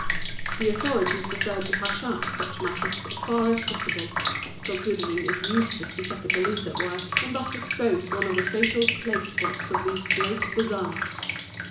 The authorities preferred to hush up such matters as far as possible, considering it useless to set the police at work, and thus expose one of the fatal plague spots of these great bazaars.